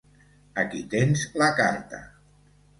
Aquí tens la carta.